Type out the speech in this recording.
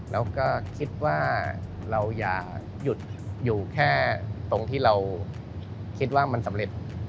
แล้วก็คิดว่าเราอย่าหยุดอยู่แค่ตรงที่เราคิดว่ามันสำเร็จ